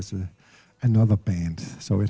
saya mendengarnya sebagai band lain